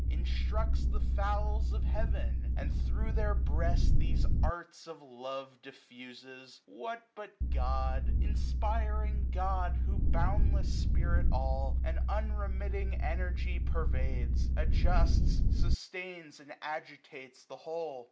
Instructs the fowls of heaven ! and thro' their breast These arts of love diflfuses ? What, but God ? Inspiring God ! who boundless Spirit all, 850 And unremitting Energy, pervades, Adjusts, sustains, and agitates the whole.